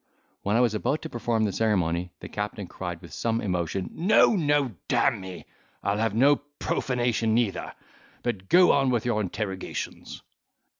When I was about to perform the ceremony, the captain cried with some emotion, "No, no, d—me! I'll have no profanation neither. But go on with your interrogations."